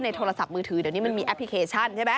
โทรศัพท์มือถือเดี๋ยวนี้มันมีแอปพลิเคชันใช่ไหม